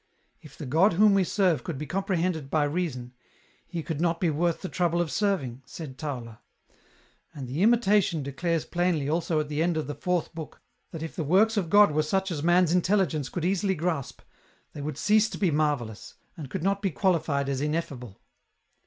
If the God whom we serve could be comprehended by reason, 236 EN ROUTE. He could not be worth the trouble of serving, said Tauler ; and the * Imitation ' declares plainly also at the end of the IVth book that if the works of God were such as man's intelligence could easily grasp, they would cease to be marvellous, and could not be qualified as ineffable."